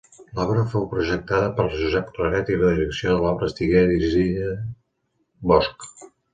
L'obra fou projectada per Josep Claret i la direcció de l'obra estigué d'Isidre Bosch.